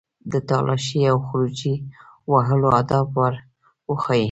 د تالاشۍ او خروجي وهلو آداب ور وښيي.